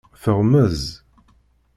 Teɣmez.